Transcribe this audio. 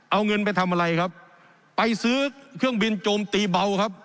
เอาเงินไปทำอะไรครับไปซื้อเครื่องบินโจมตีเบาครับ